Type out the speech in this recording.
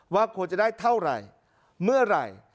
ว่าควรจะได้เท่าไหร่เมื่อไหร่